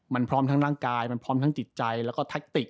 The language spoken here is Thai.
มันพร้อมทั้งร่างกายมันพร้อมทั้งจิตใจแล้วก็แท็กติก